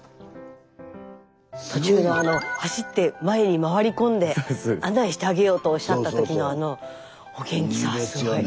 途中であの走って前に回り込んで案内してあげようとおっしゃった時のあのお元気さはすごい。